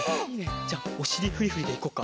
じゃおしりフリフリでいこっか。